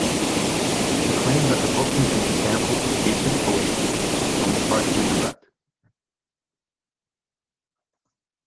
The claim that the book contained samples of ancient poetry was only partially correct.